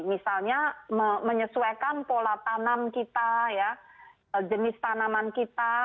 misalnya menyesuaikan pola tanam kita jenis tanaman kita